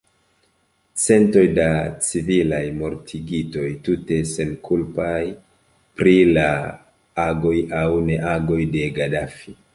Centoj da civilaj mortigitoj, tute senkulpaj pri la agoj aŭ neagoj de Gadafi.